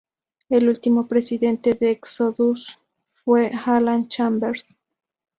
El último presidente de Exodus fue Alan Chambers.